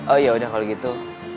oh ya udah kalau gitu